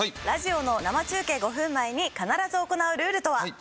ラジオの生中継５分前に必ず行うルールとは？